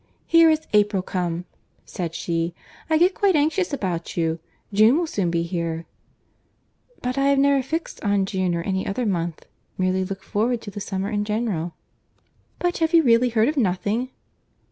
"Here is April come!" said she, "I get quite anxious about you. June will soon be here." "But I have never fixed on June or any other month—merely looked forward to the summer in general." "But have you really heard of nothing?"